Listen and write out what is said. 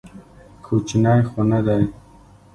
کوچنى خو نه دى.